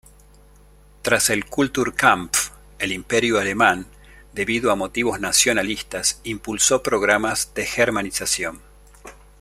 Tras el Kulturkampf, el Imperio alemán, debido a motivos nacionalistas impulsó programas de germanización.